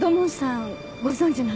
ご存じなの？